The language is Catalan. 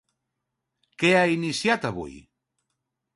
Què ha iniciat avui?